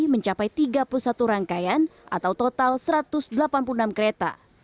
mencapai tiga puluh satu rangkaian atau total satu ratus delapan puluh enam kereta